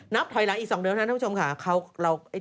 นับถอยหลังอีกสองเดียวนะท่านท่านผู้ชมค่ะ